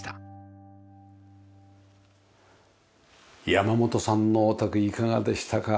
山本さんのお宅いかがでしたか？